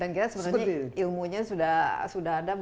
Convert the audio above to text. dan kita sebenarnya ilmunya sudah ada